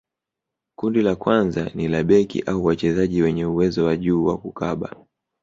kundi la kwanza ni la beki au wachezaji wenye uwezo wa juu wa kukaba